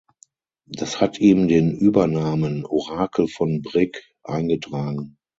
Das hat ihm den Übernamen "Orakel von Brig" eingetragen.